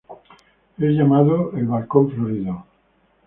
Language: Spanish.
Es llamado el Balcón Florido.